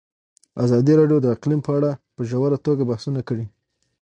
ازادي راډیو د اقلیم په اړه په ژوره توګه بحثونه کړي.